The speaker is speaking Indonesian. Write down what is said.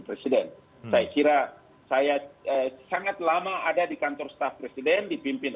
presiden saya kira saya sangat lama ada di kantor staf presiden dipimpin